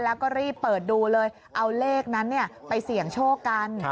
แล้วก็รีบเปิดดูเลยเอาเลขนั้นไปเสี่ยงโชคกัน